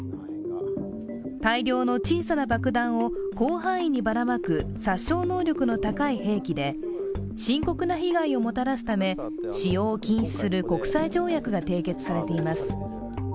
大量の小さな爆弾を広範囲にばらまく殺傷能力の高い兵器で深刻な被害をもたらすため、使用を禁止する国際条約が締結されています。